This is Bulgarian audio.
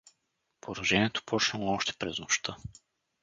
Поражението почнало още през нощта.